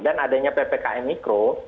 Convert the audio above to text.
dan adanya ppkm mikro